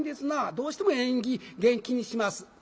どうしても縁起験気にします。